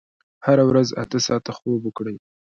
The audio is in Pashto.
هره ورځ اته ساعته خوب وکړئ.